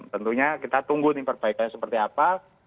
tentunya kita tunggu nih perbaikannya seperti apa